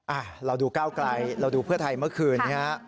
อ่ะเราดูก้าวไกลเราดูเพื่อไทยเมื่อคืนนี้ฮะ